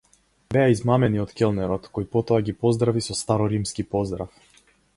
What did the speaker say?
Беа измамени од келнерот, кој потоа ги поздрави со староримски поздрав.